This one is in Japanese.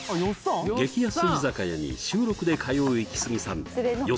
激安居酒屋に週６で通うイキスギさんよっ